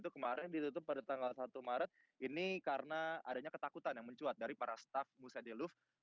kemarin ditutup pada tanggal satu maret ini karena adanya ketakutan yang mencuat dari para staff musede loov